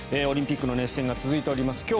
オリンピックの熱戦が続いております。